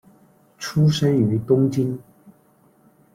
出生于东京。